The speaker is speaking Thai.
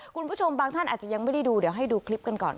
คุณผู้ชมบางท่านอาจจะยังไม่ได้ดูเดี๋ยวให้ดูคลิปกันก่อน